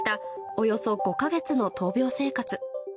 およそ５か月の闘病生活。